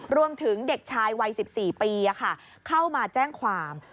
เด็กชายวัย๑๔ปีเข้ามาแจ้งความ